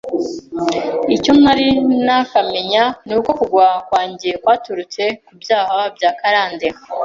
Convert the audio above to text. Icyo ntari nakamenya ni uko kugwa kwanjye kwaturutse ku byaha bya karanda